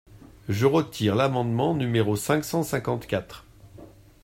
Je retire l’amendement numéro cinq cent cinquante-quatre.